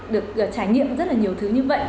được trải nghiệm rất là nhiều thứ như vậy